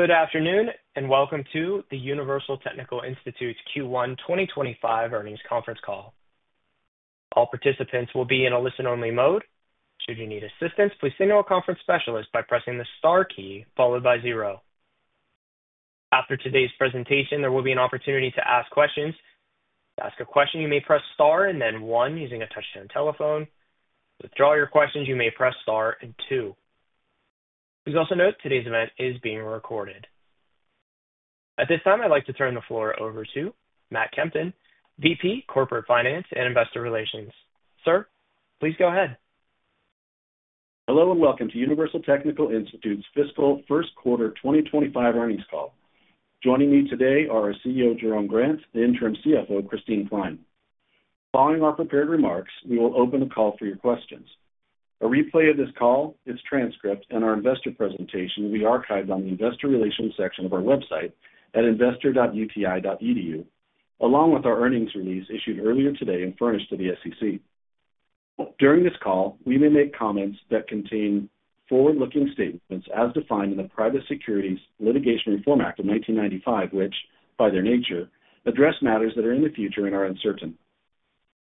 Good afternoon and welcome to the Universal Technical Institute's Q1 2025 earnings conference call. All participants will be in a listen-only mode. Should you need assistance, please signal a conference specialist by pressing the star key followed by zero. After today's presentation, there will be an opportunity to ask questions. To ask a question, you may press star and then one using a touch-tone telephone. To withdraw your questions, you may press star and two. Please also note today's event is being recorded. At this time, I'd like to turn the floor over to Matt Kempton, VP Corporate Finance and Investor Relations. Sir, please go ahead. Hello and welcome to Universal Technical Institute's fiscal first quarter 2025 earnings call. Joining me today are our CEO, Jerome Grant, and interim CFO, Christine Kline. Following our prepared remarks, we will open the call for your questions. A replay of this call, its transcript, and our investor presentation will be archived on the investor relations section of our website at investor.uti.edu, along with our earnings release issued earlier today and furnished to the SEC. During this call, we may make comments that contain forward-looking statements as defined in the Private Securities Litigation Reform Act of 1995, which, by their nature, address matters that are in the future and are uncertain.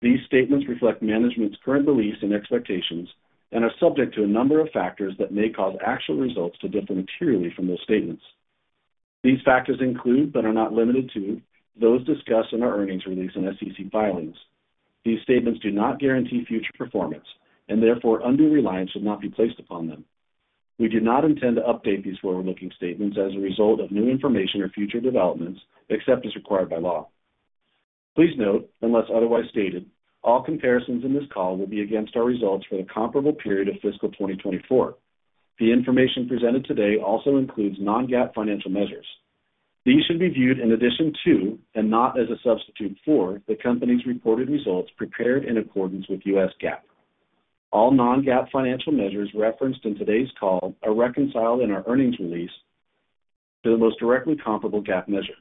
These statements reflect management's current beliefs and expectations and are subject to a number of factors that may cause actual results to differ materially from those statements. These factors include, but are not limited to, those discussed in our earnings release and SEC filings. These statements do not guarantee future performance and therefore undue reliance should not be placed upon them. We do not intend to update these forward-looking statements as a result of new information or future developments except as required by law. Please note, unless otherwise stated, all comparisons in this call will be against our results for the comparable period of Fiscal 2024. The information presented today also includes non-GAAP financial measures. These should be viewed in addition to and not as a substitute for the company's reported results prepared in accordance with U.S. GAAP. All non-GAAP financial measures referenced in today's call are reconciled in our earnings release to the most directly comparable GAAP measure.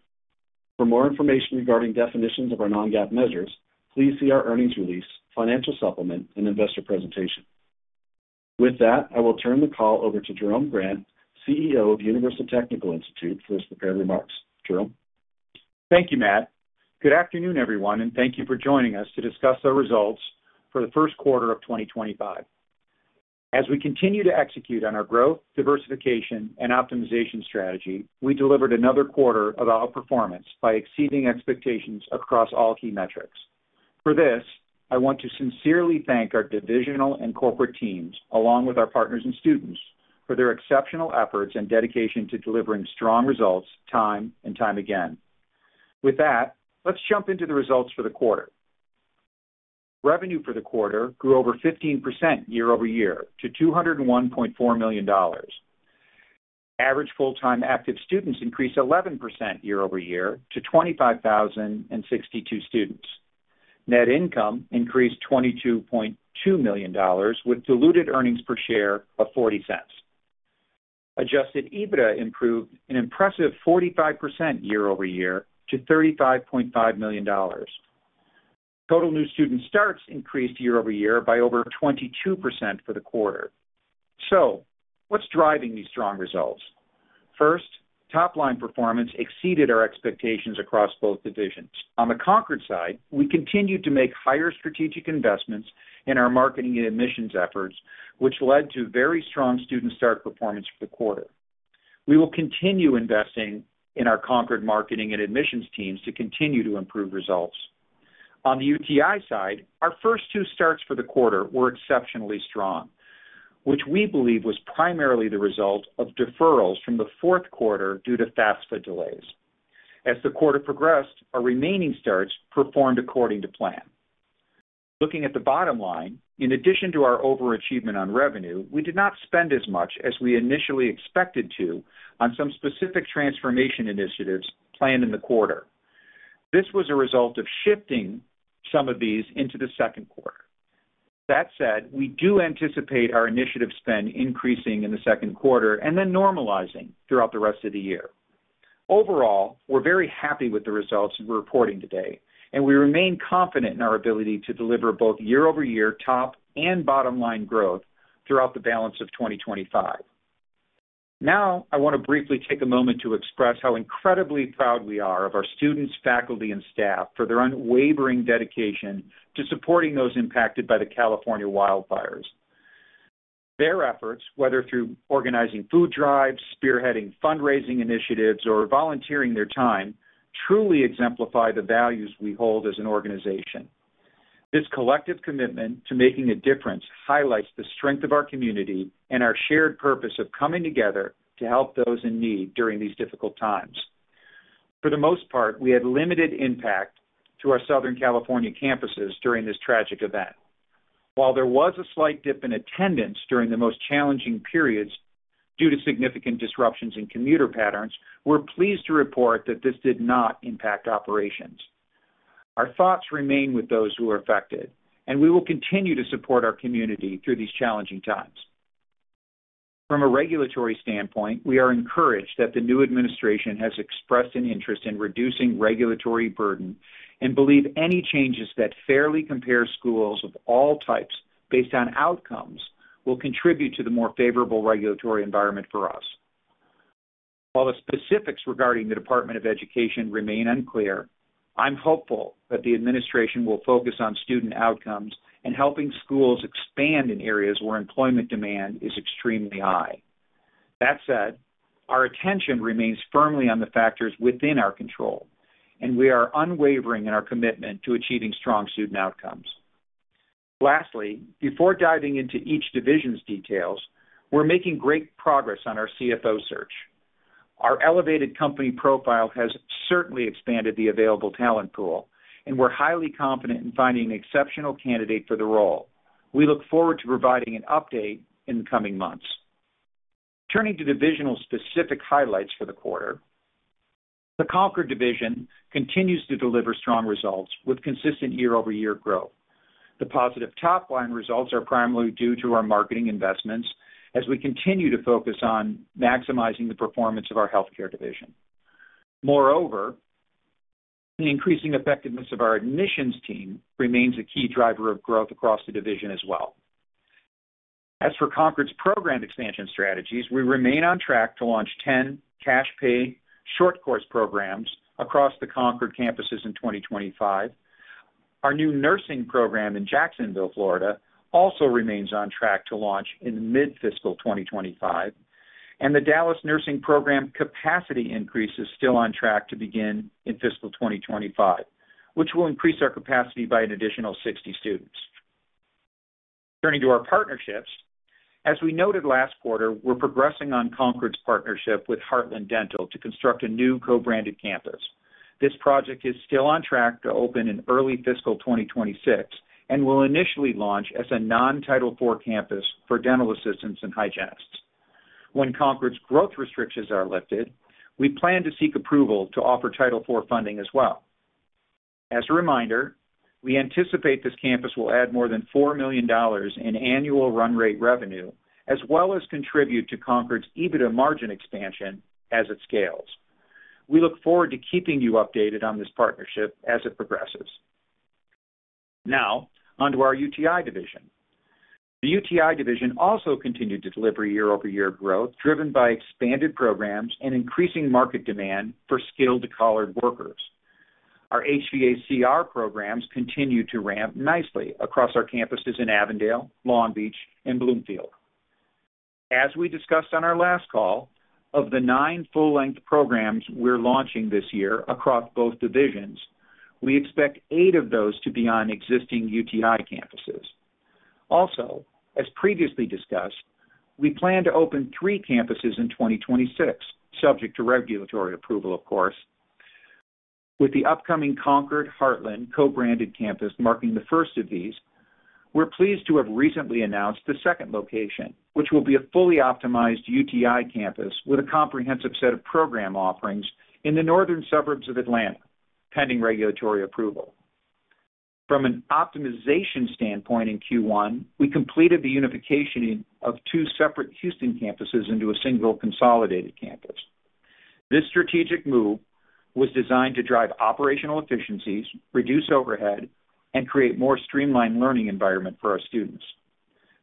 For more information regarding definitions of our non-GAAP measures, please see our earnings release, financial supplement, and investor presentation. With that, I will turn the call over to Jerome Grant, CEO of Universal Technical Institute, for his prepared remarks. Jerome. Thank you, Matt. Good afternoon, everyone, and thank you for joining us to discuss our results for the first quarter of 2025. As we continue to execute on our growth, diversification, and optimization strategy, we delivered another quarter of outperformance by exceeding expectations across all key metrics. For this, I want to sincerely thank our divisional and corporate teams, along with our partners and students, for their exceptional efforts and dedication to delivering strong results time and time again. With that, let's jump into the results for the quarter. Revenue for the quarter grew over 15% year-over-year to $201.4 million. Average full-time active students increased 11% year-over-year to 25,062 students. Net income increased $22.2 million with diluted earnings per share of $0.40. Adjusted EBITDA improved an impressive 45% year-over-year to $35.5 million. Total new student starts increased year-over-year by over 22% for the quarter. So what's driving these strong results? First, top-line performance exceeded our expectations across both divisions. On the Concorde side, we continued to make higher strategic investments in our marketing and admissions efforts, which led to very strong student start performance for the quarter. We will continue investing in our Concorde marketing and admissions teams to continue to improve results. On the UTI side, our first two starts for the quarter were exceptionally strong, which we believe was primarily the result of deferrals from the fourth quarter due to FAFSA delays. As the quarter progressed, our remaining starts performed according to plan. Looking at the bottom line, in addition to our overachievement on revenue, we did not spend as much as we initially expected to on some specific transformation initiatives planned in the quarter. This was a result of shifting some of these into the second quarter. That said, we do anticipate our initiative spend increasing in the second quarter and then normalizing throughout the rest of the year. Overall, we're very happy with the results we're reporting today, and we remain confident in our ability to deliver both year-over-year top and bottom-line growth throughout the balance of 2025. Now, I want to briefly take a moment to express how incredibly proud we are of our students, faculty, and staff for their unwavering dedication to supporting those impacted by the California wildfires. Their efforts, whether through organizing food drives, spearheading fundraising initiatives, or volunteering their time, truly exemplify the values we hold as an organization. This collective commitment to making a difference highlights the strength of our community and our shared purpose of coming together to help those in need during these difficult times. For the most part, we had limited impact to our Southern California campuses during this tragic event. While there was a slight dip in attendance during the most challenging periods due to significant disruptions in commuter patterns, we're pleased to report that this did not impact operations. Our thoughts remain with those who are affected, and we will continue to support our community through these challenging times. From a regulatory standpoint, we are encouraged that the new administration has expressed an interest in reducing regulatory burden and believe any changes that fairly compare schools of all types based on outcomes will contribute to the more favorable regulatory environment for us. While the specifics regarding the Department of Education remain unclear, I'm hopeful that the administration will focus on student outcomes and helping schools expand in areas where employment demand is extremely high. That said, our attention remains firmly on the factors within our control, and we are unwavering in our commitment to achieving strong student outcomes. Lastly, before diving into each division's details, we're making great progress on our CFO search. Our elevated company profile has certainly expanded the available talent pool, and we're highly confident in finding an exceptional candidate for the role. We look forward to providing an update in the coming months. Turning to divisional specific highlights for the quarter, the Concorde division continues to deliver strong results with consistent year-over-year growth. The positive top-line results are primarily due to our marketing investments as we continue to focus on maximizing the performance of our healthcare division. Moreover, the increasing effectiveness of our admissions team remains a key driver of growth across the division as well. As for Concorde's program expansion strategies, we remain on track to launch 10 cash-pay short course programs across the Concorde campuses in 2025. Our new nursing program in Jacksonville, Florida, also remains on track to launch in mid-Fiscal 2025. And the Dallas nursing program capacity increase is still on track to begin in Fiscal 2025, which will increase our capacity by an additional 60 students. Turning to our partnerships, as we noted last quarter, we're progressing on Concorde's partnership with Heartland Dental to construct a new co-branded campus. This project is still on track to open in early Fiscal 2026 and will initially launch as a non-Title IV campus for dental assistants and hygienists. When Concorde's growth restrictions are lifted, we plan to seek approval to offer Title IV funding as well. As a reminder, we anticipate this campus will add more than $4 million in annual run rate revenue as well as contribute to Concorde's EBITDA margin expansion as it scales. We look forward to keeping you updated on this partnership as it progresses. Now, onto our UTI division. The UTI division also continued to deliver year-over-year growth driven by expanded programs and increasing market demand for skilled trade workers. Our HVACR programs continue to ramp nicely across our campuses in Avondale, Long Beach, and Bloomfield. As we discussed on our last call, of the nine full-length programs we're launching this year across both divisions, we expect eight of those to be on existing UTI campuses. Also, as previously discussed, we plan to open three campuses in 2026, subject to regulatory approval, of course. With the upcoming Concorde-Heartland co-branded campus marking the first of these, we're pleased to have recently announced the second location, which will be a fully optimized UTI campus with a comprehensive set of program offerings in the northern suburbs of Atlanta, pending regulatory approval. From an optimization standpoint in Q1, we completed the unification of two separate Houston campuses into a single consolidated campus. This strategic move was designed to drive operational efficiencies, reduce overhead, and create a more streamlined learning environment for our students.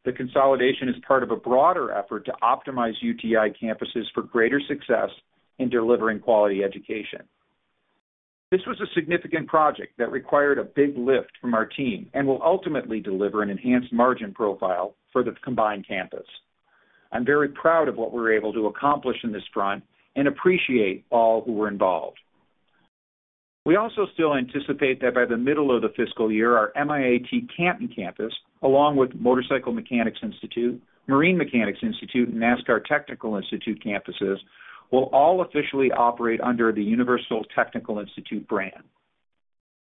The consolidation is part of a broader effort to optimize UTI campuses for greater success in delivering quality education. This was a significant project that required a big lift from our team and will ultimately deliver an enhanced margin profile for the combined campus. I'm very proud of what we're able to accomplish in this front and appreciate all who were involved. We also still anticipate that by the middle of the fiscal year, our MIAT Canton campus, along with Motorcycle Mechanics Institute, Marine Mechanics Institute, and NASCAR Technical Institute campuses will all officially operate under the Universal Technical Institute brand.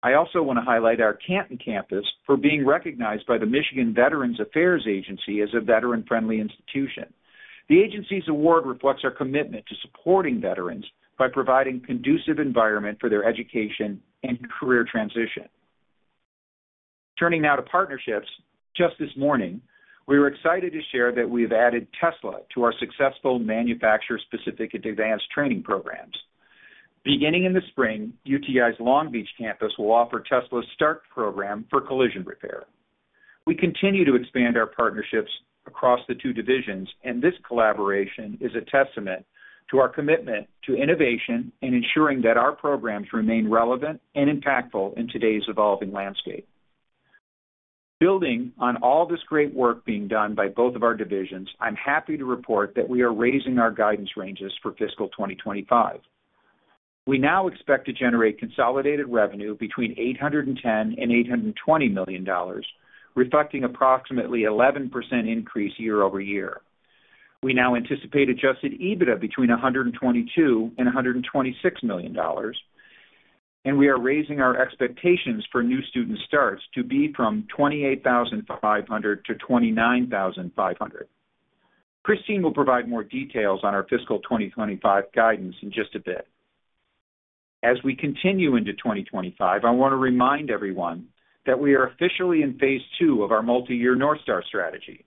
I also want to highlight our Canton campus for being recognized by the Michigan Veterans Affairs Agency as a veteran-friendly institution. The agency's award reflects our commitment to supporting veterans by providing a conducive environment for their education and career transition. Turning now to partnerships, just this morning, we were excited to share that we have added Tesla to our successful manufacturer-specific advanced training programs. Beginning in the spring, UTI's Long Beach campus will offer Tesla's START program for collision repair. We continue to expand our partnerships across the two divisions, and this collaboration is a testament to our commitment to innovation and ensuring that our programs remain relevant and impactful in today's evolving landscape. Building on all this great work being done by both of our divisions, I'm happy to report that we are raising our guidance ranges for Fiscal 2025. We now expect to generate consolidated revenue between $810-$820 million, reflecting approximately an 11% increase year-over-year. We now anticipate adjusted EBITDA between $122-$126 million, and we are raising our expectations for new student starts to be from 28,500 to 29,500. Christine will provide more details on our Fiscal 2025 guidance in just a bit. As we continue into 2025, I want to remind everyone that we are officially in phase two of our multi-year North Star strategy.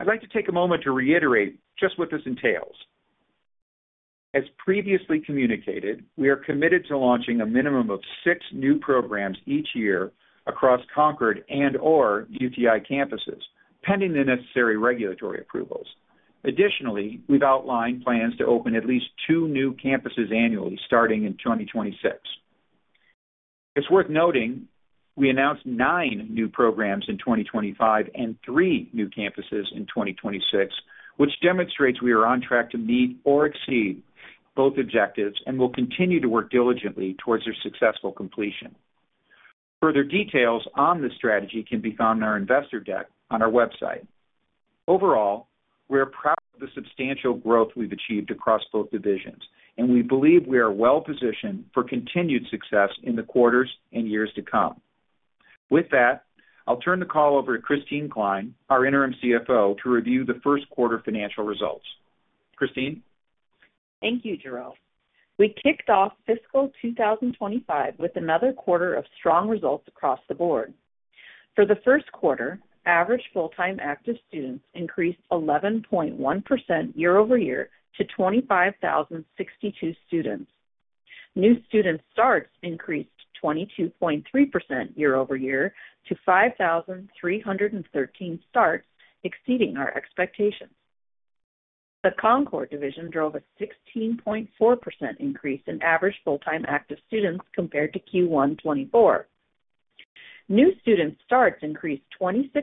I'd like to take a moment to reiterate just what this entails. As previously communicated, we are committed to launching a minimum of six new programs each year across Concorde and/or UTI campuses, pending the necessary regulatory approvals. Additionally, we've outlined plans to open at least two new campuses annually starting in 2026. It's worth noting we announced nine new programs in 2025 and three new campuses in 2026, which demonstrates we are on track to meet or exceed both objectives and will continue to work diligently towards their successful completion. Further details on the strategy can be found in our investor deck on our website. Overall, we're proud of the substantial growth we've achieved across both divisions, and we believe we are well-positioned for continued success in the quarters and years to come. With that, I'll turn the call over to Christine Kline, our Interim CFO, to review the first quarter financial results. Christine? Thank you, Jerome. We kicked off Fiscal 2025 with another quarter of strong results across the board. For the first quarter, average full-time active students increased 11.1% year-over-year to 25,062 students. New student starts increased 22.3% year-over-year to 5,313 starts, exceeding our expectations. The Concorde division drove a 16.4% increase in average full-time active students compared to Q1 2024. New student starts increased 26%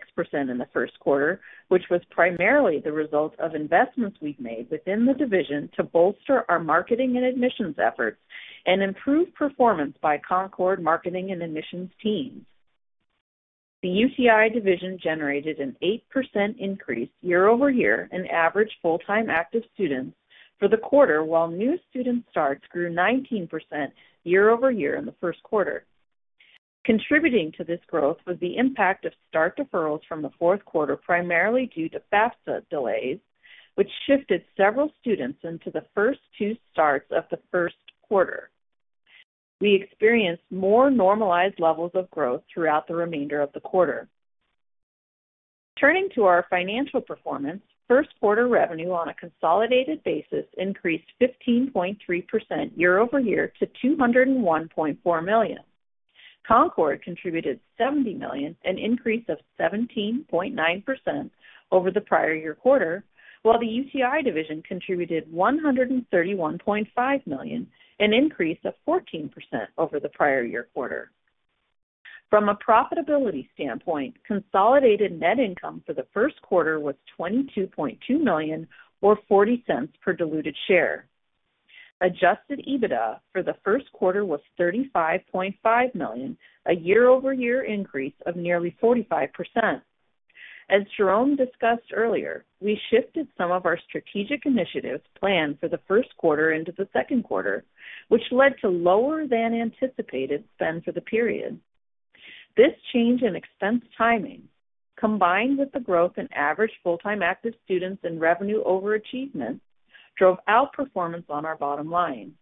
in the first quarter, which was primarily the result of investments we've made within the division to bolster our marketing and admissions efforts and improve performance by Concorde marketing and admissions teams. The UTI division generated an 8% increase year-over-year in average full-time active students for the quarter, while new student starts grew 19% year-over-year in the first quarter. Contributing to this growth was the impact of START deferrals from the fourth quarter, primarily due to FAFSA delays, which shifted several students into the first two starts of the first quarter. We experienced more normalized levels of growth throughout the remainder of the quarter. Turning to our financial performance, first quarter revenue on a consolidated basis increased 15.3% year-over-year to $201.4 million. Concorde contributed $70 million, an increase of 17.9% over the prior year quarter, while the UTI division contributed $131.5 million, an increase of 14% over the prior year quarter. From a profitability standpoint, consolidated net income for the first quarter was $22.2 million, or $0.40 per diluted share. Adjusted EBITDA for the first quarter was $35.5 million, a year-over-year increase of nearly 45%. As Jerome discussed earlier, we shifted some of our strategic initiatives planned for the first quarter into the second quarter, which led to lower-than-anticipated spend for the period. This change in expense timing, combined with the growth in average full-time active students and revenue overachievement, drove outperformance on our bottom line.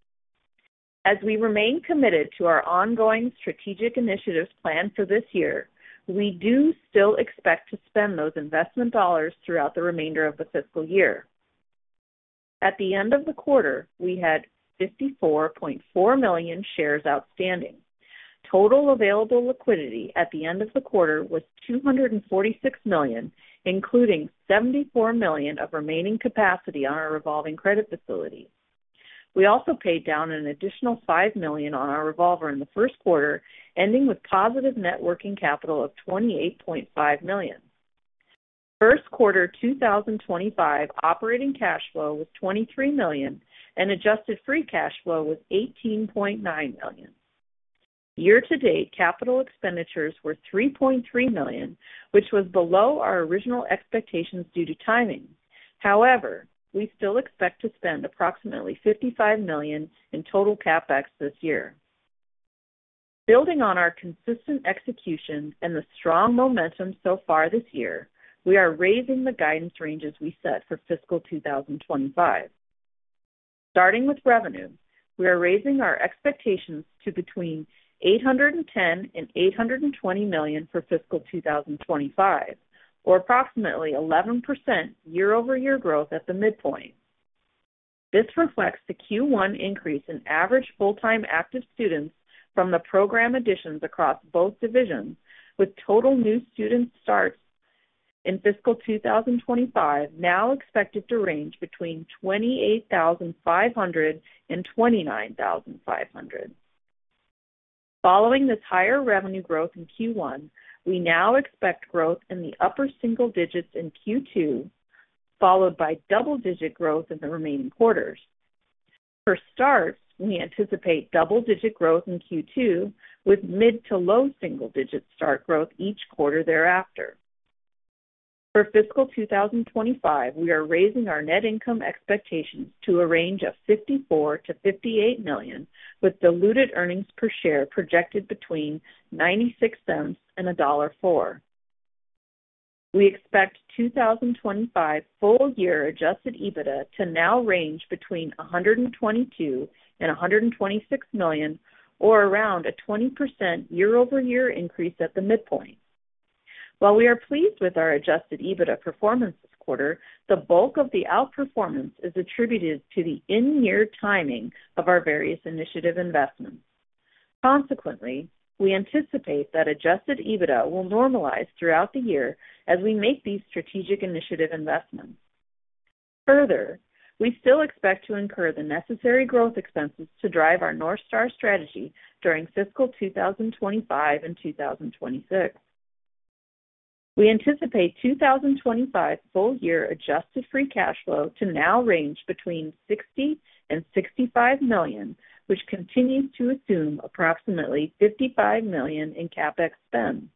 As we remain committed to our ongoing strategic initiatives planned for this year, we do still expect to spend those investment dollars throughout the remainder of the fiscal year. At the end of the quarter, we had 54.4 million shares outstanding. Total available liquidity at the end of the quarter was $246 million, including $74 million of remaining capacity on our revolving credit facility. We also paid down an additional $5 million on our revolver in the first quarter, ending with positive net working capital of $28.5 million. First quarter 2025 operating cash flow was $23 million, and adjusted free cash flow was $18.9 million. Year-to-date capital expenditures were $3.3 million, which was below our original expectations due to timing. However, we still expect to spend approximately $55 million in total CapEx this year. Building on our consistent execution and the strong momentum so far this year, we are raising the guidance ranges we set for Fiscal 2025. Starting with revenue, we are raising our expectations to between $810 and $820 million for Fiscal 2025, or approximately 11% year-over-year growth at the midpoint. This reflects the Q1 increase in average full-time active students from the program additions across both divisions, with total new student starts in Fiscal 2025 now expected to range between 28,500 and 29,500. Following this higher revenue growth in Q1, we now expect growth in the upper single digits in Q2, followed by double-digit growth in the remaining quarters. For starts, we anticipate double-digit growth in Q2, with mid to low single-digit start growth each quarter thereafter. For Fiscal 2025, we are raising our net income expectations to a range of $54-$58 million, with diluted earnings per share projected between $0.96 and $1.04. We expect 2025 full-year adjusted EBITDA to now range between $122 and $126 million, or around a 20% year-over-year increase at the midpoint. While we are pleased with our adjusted EBITDA performance this quarter, the bulk of the outperformance is attributed to the in-year timing of our various initiative investments. Consequently, we anticipate that adjusted EBITDA will normalize throughout the year as we make these strategic initiative investments. Further, we still expect to incur the necessary growth expenses to drive our North Star strategy during Fiscal 2025 and 2026. We anticipate 2025 full-year adjusted free cash flow to now range between $60 and $65 million, which continues to assume approximately $55 million in CapEx spend.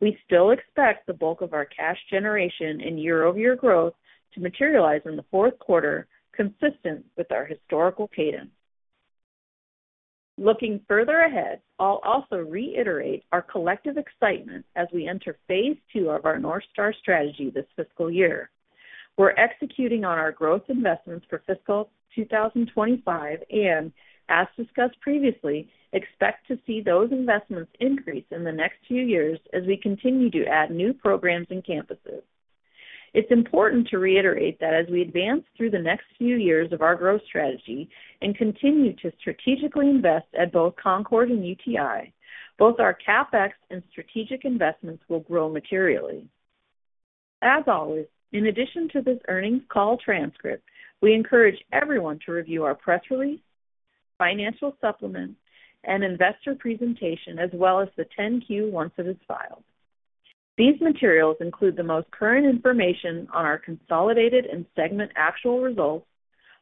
We still expect the bulk of our cash generation and year-over-year growth to materialize in the fourth quarter, consistent with our historical cadence. Looking further ahead, I'll also reiterate our collective excitement as we enter phase two of our North Star strategy this fiscal year. We're executing on our growth investments for Fiscal 2025 and, as discussed previously, expect to see those investments increase in the next few years as we continue to add new programs and campuses. It's important to reiterate that as we advance through the next few years of our growth strategy and continue to strategically invest at both Concorde and UTI, both our CapEx and strategic investments will grow materially. As always, in addition to this earnings call transcript, we encourage everyone to review our press release, financial supplement, and investor presentation, as well as the 10-Q once it is filed. These materials include the most current information on our consolidated and segment actual results,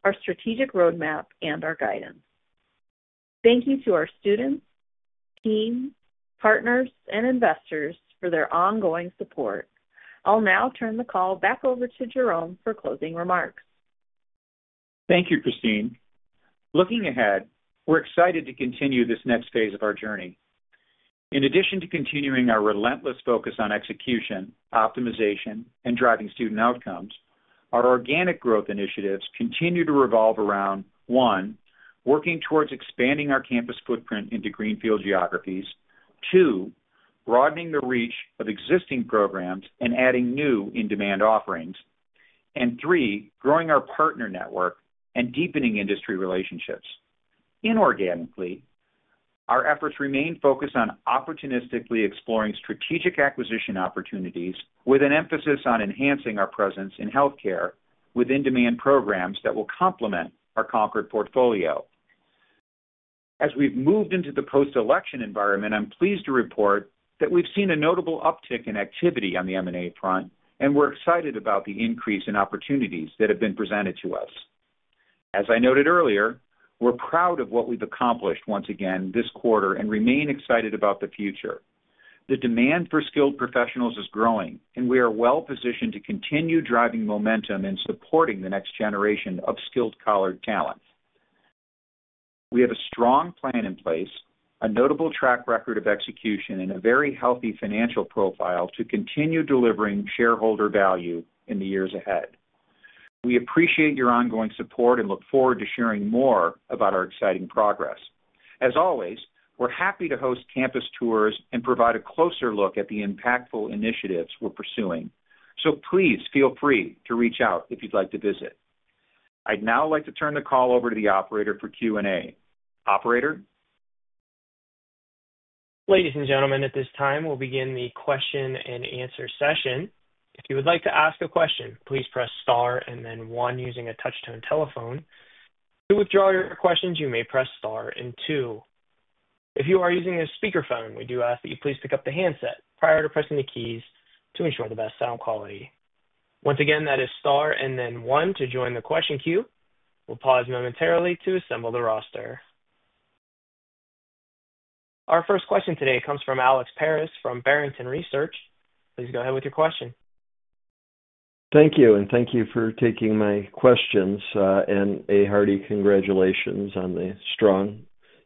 our strategic roadmap, and our guidance. Thank you to our students, team, partners, and investors for their ongoing support. I'll now turn the call back over to Jerome for closing remarks. Thank you, Christine. Looking ahead, we're excited to continue this next phase of our journey. In addition to continuing our relentless focus on execution, optimization, and driving student outcomes, our organic growth initiatives continue to revolve around: one, working towards expanding our campus footprint into greenfield geographies, two, broadening the reach of existing programs and adding new in-demand offerings, and three, growing our partner network and deepening industry relationships. Inorganically, our efforts remain focused on opportunistically exploring strategic acquisition opportunities, with an emphasis on enhancing our presence in healthcare with in-demand programs that will complement our Concorde portfolio. As we've moved into the post-election environment, I'm pleased to report that we've seen a notable uptick in activity on the M&A front, and we're excited about the increase in opportunities that have been presented to us. As I noted earlier, we're proud of what we've accomplished once again this quarter and remain excited about the future. The demand for skilled professionals is growing, and we are well-positioned to continue driving momentum in supporting the next generation of skilled, college-bound talent. We have a strong plan in place, a notable track record of execution, and a very healthy financial profile to continue delivering shareholder value in the years ahead. We appreciate your ongoing support and look forward to sharing more about our exciting progress. As always, we're happy to host campus tours and provide a closer look at the impactful initiatives we're pursuing, so please feel free to reach out if you'd like to visit. I'd now like to turn the call over to the operator for Q&A. Operator? Ladies and gentlemen, at this time, we'll begin the question-and-answer session. If you would like to ask a question, please press star and then one using a touch-tone telephone. To withdraw your questions, you may press star and two. If you are using a speakerphone, we do ask that you please pick up the handset prior to pressing the keys to ensure the best sound quality. Once again, that is star and then one to join the question queue. We'll pause momentarily to assemble the roster. Our first question today comes from Alex Paris from Barrington Research. Please go ahead with your question. Thank you, and thank you for taking my questions. And a hearty congratulations on the strong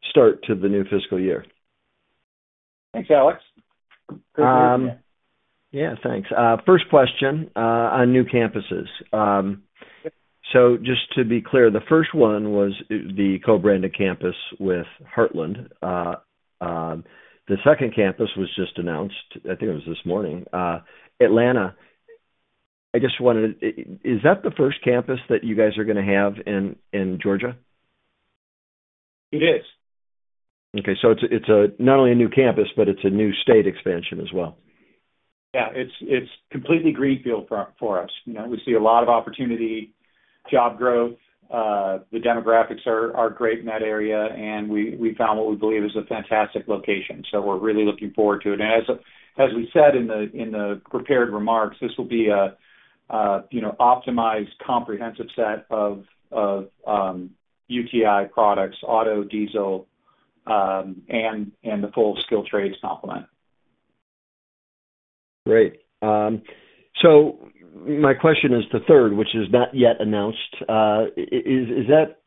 start to the new fiscal year. Thanks, Alex. Good to be here. Yeah, thanks. First question on new campuses. So just to be clear, the first one was the co-branded campus with Heartland. The second campus was just announced, I think it was this morning. Atlanta, I just wanted to, is that the first campus that you guys are going to have in Georgia? It is. Okay. So it's not only a new campus, but it's a new state expansion as well. Yeah. It's completely greenfield for us. We see a lot of opportunity, job growth. The demographics are great in that area, and we found what we believe is a fantastic location. So we're really looking forward to it. And as we said in the prepared remarks, this will be an optimized comprehensive set of UTI products, auto, diesel, and the full skilled trades complement. Great. So my question is the third, which is not yet announced. Is that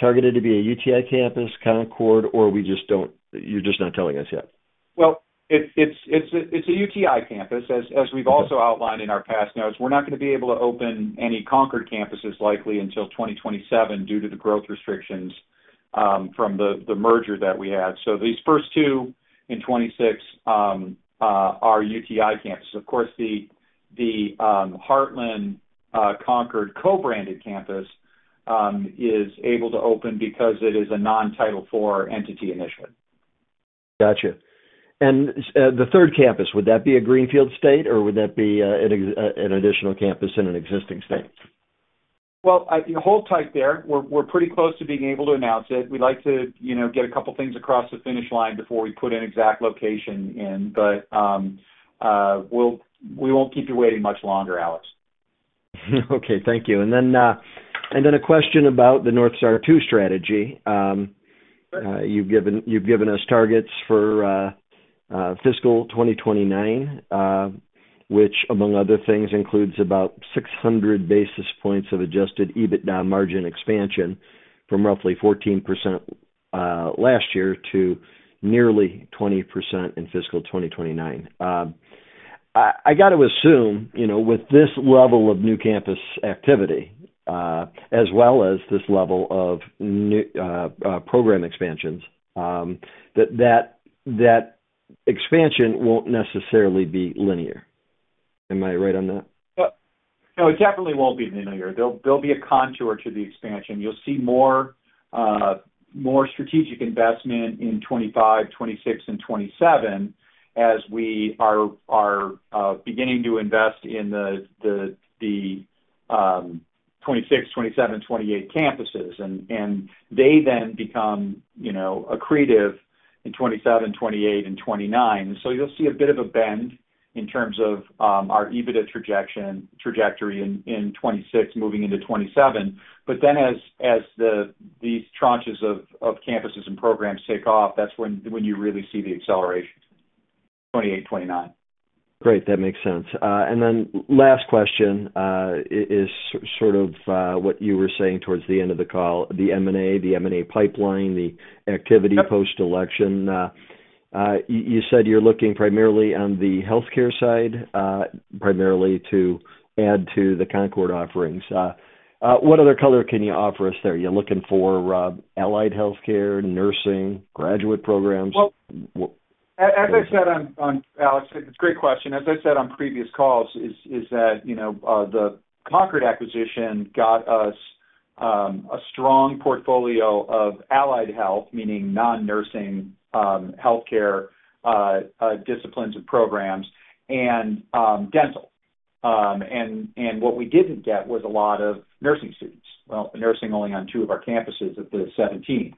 targeted to be a UTI campus, Concorde, or you're just not telling us yet? Well, it's a UTI campus. As we've also outlined in our past notes, we're not going to be able to open any Concorde campuses likely until 2027 due to the growth restrictions from the merger that we had. So, these first two in 2026 are UTI campuses. Of course, the Heartland-Concorde co-branded campus is able to open because it is a non-Title IV entity initially. Gotcha. And the third campus, would that be a greenfield state, or would that be an additional campus in an existing state? Well, the whole type there, we're pretty close to being able to announce it. We'd like to get a couple of things across the finish line before we put an exact location in, but we won't keep you waiting much longer, Alex. Okay. Thank you. And then a question about the North Star II strategy. You've given us targets for Fiscal 2029, which, among other things, includes about 600 basis points of adjusted EBITDA margin expansion from roughly 14% last year to nearly 20% in Fiscal 2029. I got to assume, with this level of new campus activity, as well as this level of program expansions, that that expansion won't necessarily be linear. Am I right on that? No, it definitely won't be linear. There'll be a contour to the expansion. You'll see more strategic investment in 2025, 2026, and 2027 as we are beginning to invest in the 2026, 2027, 2028 campuses. And they then become accretive in 2027, 2028, and 2029. And so you'll see a bit of a bend in terms of our EBITDA trajectory in 2026 moving into 2027. But then as these tranches of campuses and programs take off, that's when you really see the acceleration in 2028, 2029. Great. That makes sense. And then last question is sort of what you were saying towards the end of the call, the M&A, the M&A pipeline, the activity post-election. You said you're looking primarily on the healthcare side, primarily to add to the Concorde offerings. What other color can you offer us there? You're looking for allied healthcare, nursing, graduate programs? As I said, Alex, it's a great question. As I said on previous calls, is that the Concorde acquisition got us a strong portfolio of allied health, meaning non-nursing healthcare disciplines and programs, and dental. And what we didn't get was a lot of nursing students. Well, nursing only on two of our campuses at the 2017.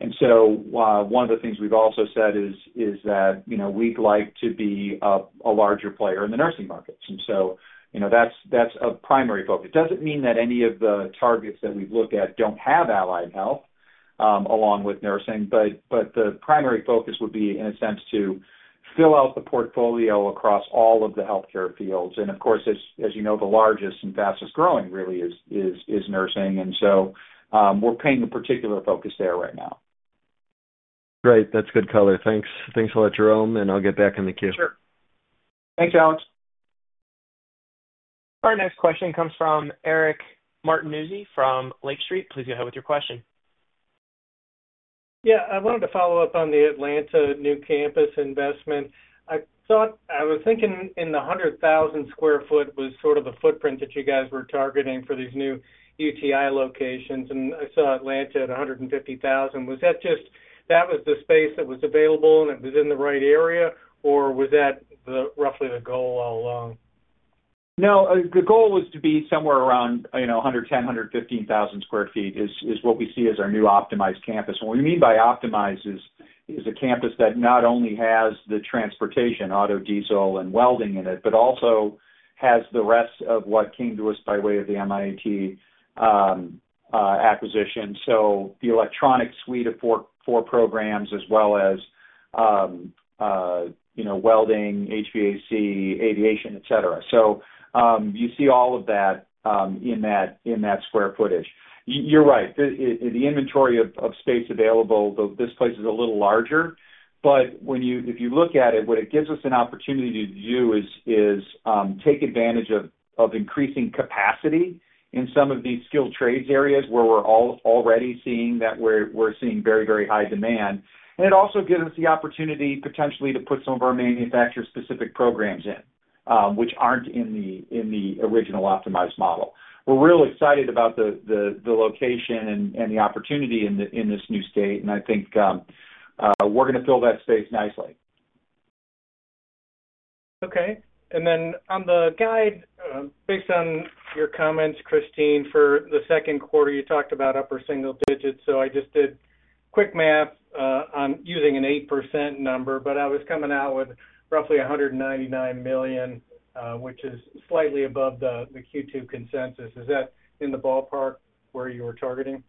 And so one of the things we've also said is that we'd like to be a larger player in the nursing markets. And so that's a primary focus. It doesn't mean that any of the targets that we've looked at don't have allied health along with nursing, but the primary focus would be, in a sense, to fill out the portfolio across all of the healthcare fields, and of course, as you know, the largest and fastest growing really is nursing, and so we're paying a particular focus there right now. Great. That's good color. Thanks a lot, Jerome, and I'll get back in the queue. Sure. Thanks, Alex. Our next question comes from Eric Martinuzzi from Lake Street. Please go ahead with your question. Yeah. I wanted to follow up on the Atlanta new campus investment. I was thinking in the 100,000-sq-ft was sort of the footprint that you guys were targeting for these new UTI locations, and I saw Atlanta at 150,000 sq ft. Was that just the space that was available, and it was in the right area, or was that roughly the goal all along? No, the goal was to be somewhere around 110-115 thousand sq ft is what we see as our new optimized campus. And what we mean by optimized is a campus that not only has the transportation, auto, diesel, and welding in it, but also has the rest of what came to us by way of the MIAT acquisition. So the electronic suite of four programs, as well as welding, HVAC, aviation, etc. So you see all of that in that square footage. You're right. The inventory of space available, this place is a little larger. But if you look at it, what it gives us an opportunity to do is take advantage of increasing capacity in some of these skilled trades areas where we're already seeing very, very high demand. And it also gives us the opportunity potentially to put some of our manufacturer-specific programs in, which aren't in the original optimized model. We're real excited about the location and the opportunity in this new state, and I think we're going to fill that space nicely. Okay. And then on the guide, based on your comments, Christine, for the second quarter, you talked about upper single digits. So I just did quick math on using an 8% number, but I was coming out with roughly $199 million, which is slightly above the Q2 consensus. Is that in the ballpark where you were targeting?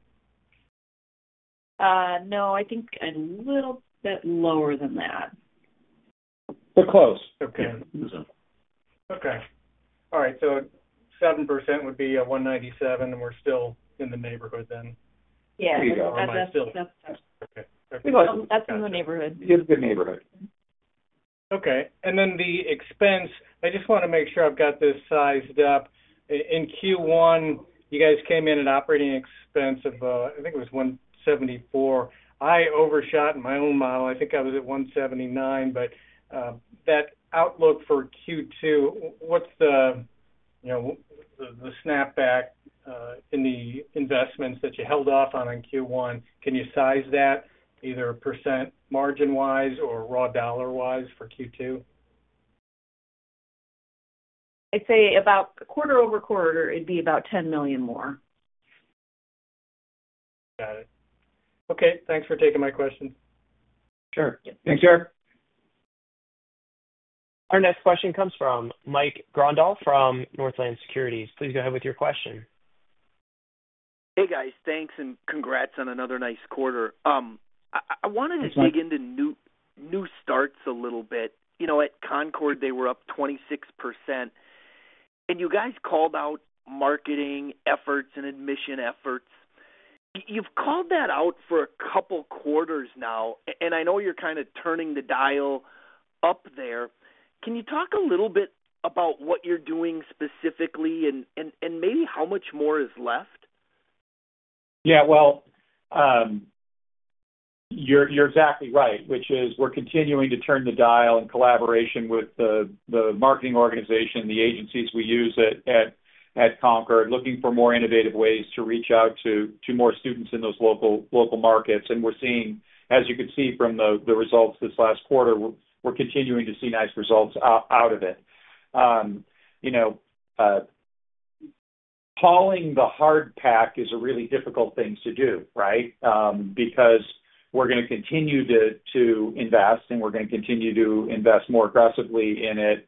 No, I think a little bit lower than that. But close. Okay. Okay. All right. So 7% would be $197, and we're still in the neighborhood then. Yeah. That's in the neighborhood. It's a good neighborhood. Okay. And then the expense, I just want to make sure I've got this sized up. In Q1, you guys came in at operating expense of, I think it was $174. I overshot in my own model. I think I was at $179. But that outlook for Q2, what's the snapback in the investments that you held off on in Q1? Can you size that either percent margin-wise or raw dollar-wise for Q2? I'd say about quarter-over-quarter, it'd be about $10 million more. Got it. Okay. Thanks for taking my question. Sure. Thanks, Eric. Our next question comes from Mike Grondahl from Northland Securities. Please go ahead with your question. Hey, guys. Thanks and congrats on another nice quarter. I wanted to dig into new starts a little bit. At Concorde, they were up 26%. And you guys called out marketing efforts and admission efforts. You've called that out for a couple of quarters now, and I know you're kind of turning the dial up there. Can you talk a little bit about what you're doing specifically and maybe how much more is left? Yeah. Well, you're exactly right, which is we're continuing to turn the dial in collaboration with the marketing organization, the agencies we use at Concorde, looking for more innovative ways to reach out to more students in those local markets. And we're seeing, as you could see from the results this last quarter, we're continuing to see nice results out of it. Hauling the hard pack is a really difficult thing to do, right? Because we're going to continue to invest, and we're going to continue to invest more aggressively in it,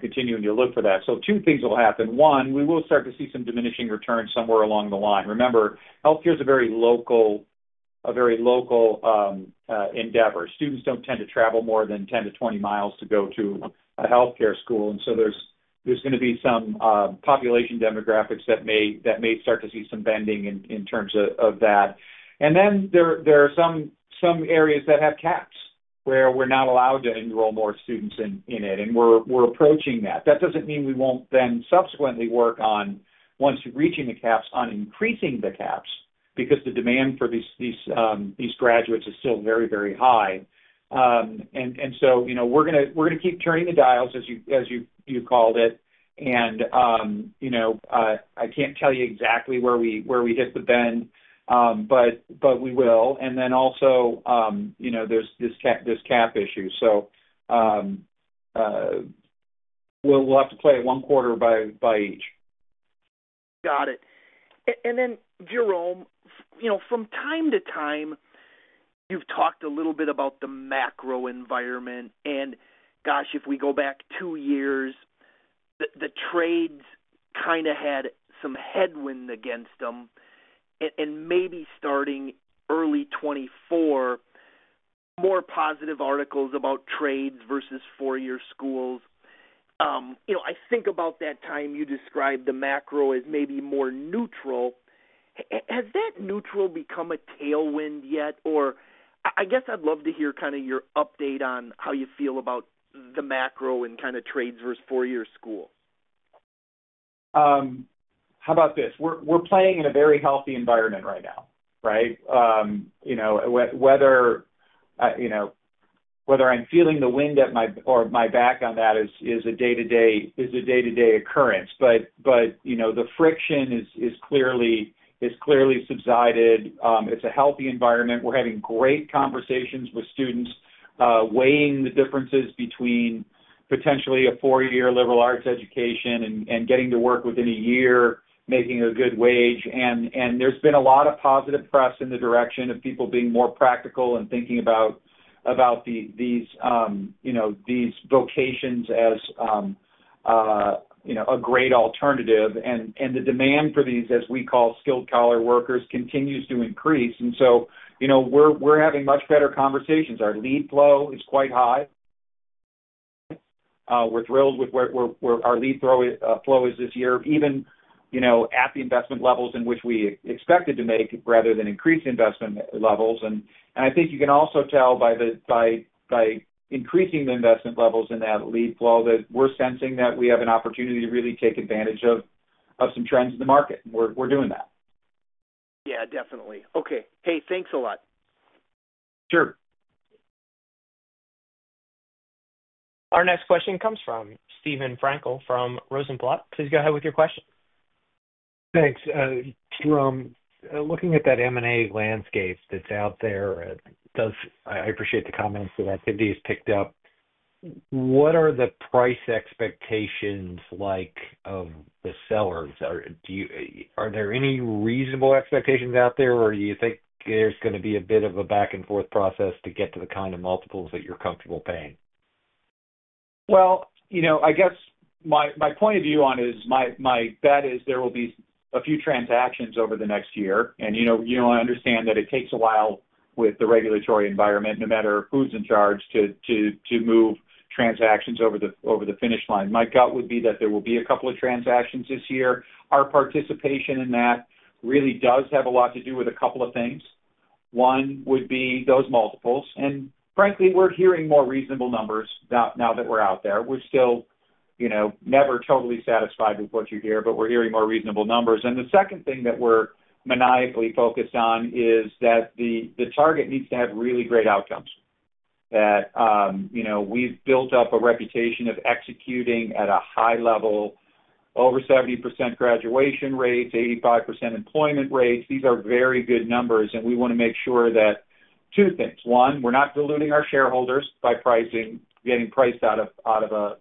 continuing to look for that. So two things will happen. One, we will start to see some diminishing returns somewhere along the line. Remember, healthcare is a very local endeavor. Students don't tend to travel more than 10-20 miles to go to a healthcare school. And so there's going to be some population demographics that may start to see some bending in terms of that. And then there are some areas that have caps where we're not allowed to enroll more students in it. And we're approaching that. That doesn't mean we won't then subsequently work on, once reaching the caps, on increasing the caps because the demand for these graduates is still very, very high. And so we're going to keep turning the dials, as you called it. And I can't tell you exactly where we hit the bend, but we will. And then also, there's this cap issue. So we'll have to play it one quarter by each. Got it. And then, Jerome, from time to time, you've talked a little bit about the macro environment. And gosh, if we go back two years, the trades kind of had some headwind against them. And maybe starting early 2024, more positive articles about trades versus four-year schools. I think about that time you described the macro as maybe more neutral. Has that neutral become a tailwind yet? Or I guess I'd love to hear kind of your update on how you feel about the macro and kind of trades versus four-year school. How about this? We're playing in a very healthy environment right now, right? Whether I'm feeling the wind at my back on that is a day-to-day occurrence. But the friction is clearly subsided. It's a healthy environment. We're having great conversations with students weighing the differences between potentially a four-year liberal arts education and getting to work within a year making a good wage. And there's been a lot of positive press in the direction of people being more practical and thinking about these vocations as a great alternative. And the demand for these, as we call skilled collar workers, continues to increase. And so we're having much better conversations. Our lead flow is quite high. We're thrilled with where our lead flow is this year, even at the investment levels in which we expected to make rather than increase investment levels. And I think you can also tell by increasing the investment levels in that lead flow that we're sensing that we have an opportunity to really take advantage of some trends in the market. We're doing that. Yeah, definitely. Okay. Hey, thanks a lot. Sure. Our next question comes from Steven Frankel from Rosenblatt. Please go ahead with your question. Thanks. Jerome, looking at that M&A landscape that's out there, I appreciate the comments that activity has picked up. What are the price expectations like of the sellers? Are there any reasonable expectations out there, or do you think there's going to be a bit of a back-and-forth process to get to the kind of multiples that you're comfortable paying? Well, I guess my point of view on it is my bet is there will be a few transactions over the next year. You know, I understand that it takes a while with the regulatory environment, no matter who's in charge, to move transactions over the finish line. My gut would be that there will be a couple of transactions this year. Our participation in that really does have a lot to do with a couple of things. One would be those multiples. And frankly, we're hearing more reasonable numbers now that we're out there. We're still never totally satisfied with what you hear, but we're hearing more reasonable numbers. And the second thing that we're maniacally focused on is that the target needs to have really great outcomes, that we've built up a reputation of executing at a high level, over 70% graduation rates, 85% employment rates. These are very good numbers, and we want to make sure that two things. One, we're not diluting our shareholders by getting priced out of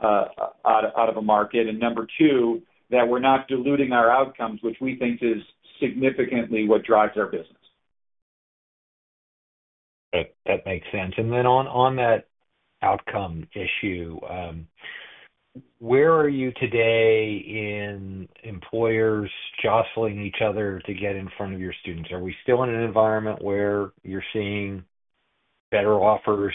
a market. And number two, that we're not diluting our outcomes, which we think is significantly what drives our business. That makes sense. And then on that outcome issue, where are you today in employers jostling each other to get in front of your students? Are we still in an environment where you're seeing better offers,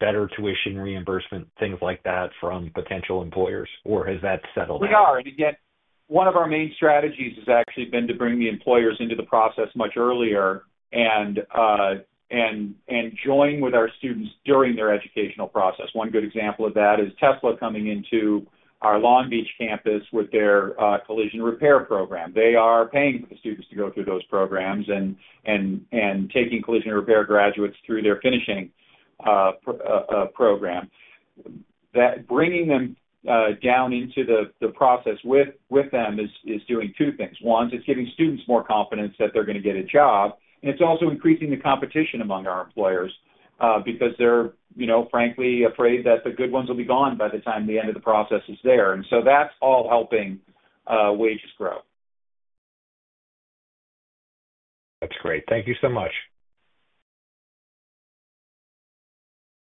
better tuition reimbursement, things like that from potential employers, or has that settled out? We are. And again, one of our main strategies has actually been to bring the employers into the process much earlier and join with our students during their educational process. One good example of that is Tesla coming into our Long Beach campus with their Collision Repair Program. They are paying for the students to go through those programs and taking collision repair graduates through their finishing program. Bringing them down into the process with them is doing two things. One, it's giving students more confidence that they're going to get a job. And it's also increasing the competition among our employers because they're frankly afraid that the good ones will be gone by the time the end of the process is there. And so that's all helping wages grow. That's great. Thank you so much.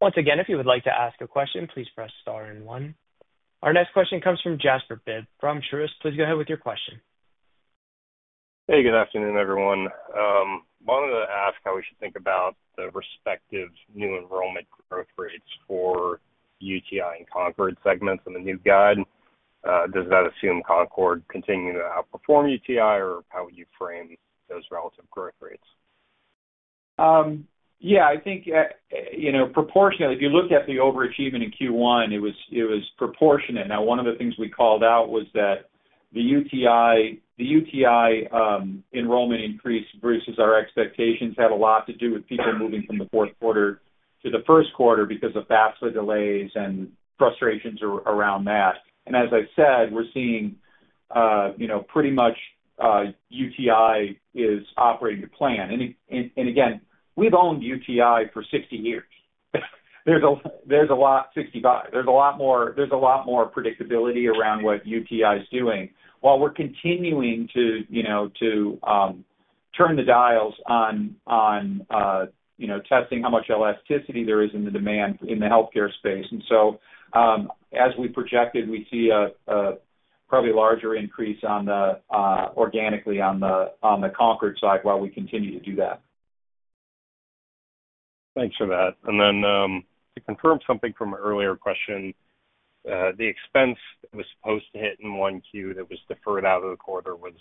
Once again, if you would like to ask a question, please press star and one. Our next question comes from Jasper Bibb from Truist. Please go ahead with your question. Hey, good afternoon, everyone. I wanted to ask how we should think about the respective new enrollment growth rates for UTI and Concorde segments in the new guide. Does that assume Concorde continues to outperform UTI, or how would you frame those relative growth rates? Yeah, I think proportionately, if you looked at the overachievement in Q1, it was proportionate. Now, one of the things we called out was that the UTI enrollment increase versus our expectations had a lot to do with people moving from the fourth quarter to the first quarter because of FAFSA delays and frustrations around that. And as I said, we're seeing pretty much UTI is operating to plan. And again, we've owned UTI for 60 years. There's a lot - 65. There's a lot more predictability around what UTI is doing while we're continuing to turn the dials on testing how much elasticity there is in the demand in the healthcare space. And so as we projected, we see probably a larger increase organically on the Concorde side while we continue to do that. Thanks for that. To confirm something from an earlier question, the expense that was supposed to hit in Q1 that was deferred out of the quarter was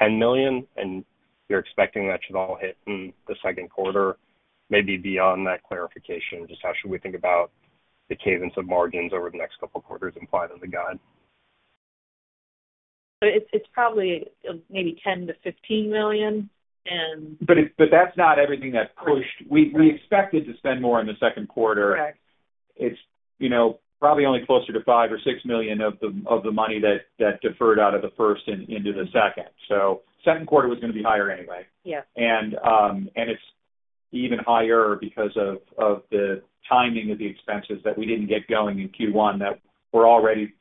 $10 million, and you're expecting that should all hit in the second quarter. Maybe beyond that clarification, just how should we think about the cadence of margins over the next couple of quarters in light of the guide? It's probably maybe $10-$15 million. But that's not everything that pushed. We expected to spend more in the second quarter. It's probably only closer to $5 or $6 million of the money that deferred out of the first into the second. Second quarter was going to be higher anyway. It's even higher because of the timing of the expenses that we didn't get going in Q1 that we're already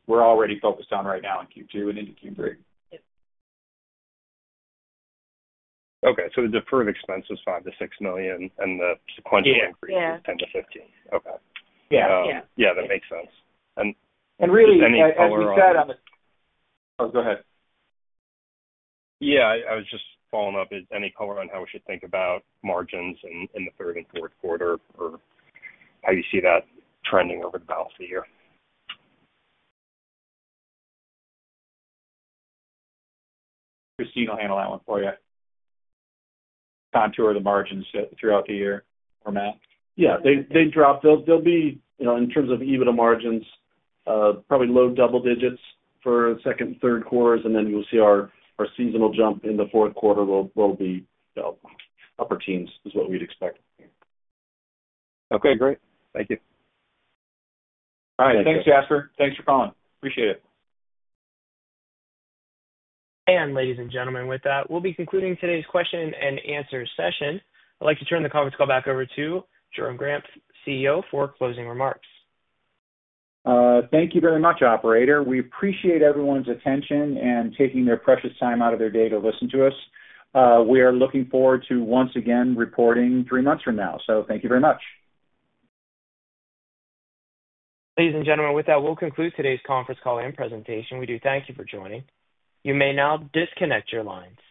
focused on right now in Q2 and into Q3. Okay. So the deferred expense is $5 million-$6 million, and the sequential increase is $10 million-$15 million. Okay. Yeah, that makes sense. And really, as you said on the. Oh, go ahead. Yeah, I was just following up. Any color on how we should think about margins in the third and fourth quarter or how you see that trending over the balance of the year? Christine will handle that one for you. Color on the margins throughout the year or Matt. Yeah. They drop. They'll be, in terms of EBITDA margins, probably low double digits for the second and third quarters. And then we'll see our seasonal jump in the fourth quarter will be upper teens is what we'd expect. Okay. Great. Thank you. All right. Thanks, Jasper. Thanks for calling. Appreciate it. And ladies and gentlemen, with that, we'll be concluding today's question and answer session. I'd like to turn the conference call back over to Jerome Grant, CEO, for closing remarks. Thank you very much, operator. We appreciate everyone's attention and taking their precious time out of their day to listen to us. We are looking forward to, once again, reporting three months from now. So thank you very much. Ladies and gentlemen, with that, we'll conclude today's conference call and presentation. We do thank you for joining. You may now disconnect your lines.